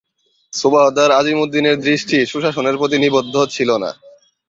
সুবাহদার আজিমউদ্দীনের দৃষ্টি সুশাসনের প্রতি নিবদ্ধ ছিল না।